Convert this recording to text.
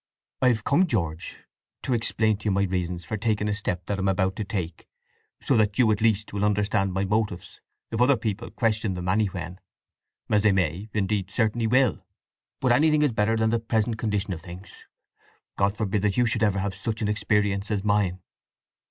"I've come, George, to explain to you my reasons for taking a step that I am about to take, so that you, at least, will understand my motives if other people question them anywhen—as they may, indeed certainly will… But anything is better than the present condition of things. God forbid that you should ever have such an experience as mine!"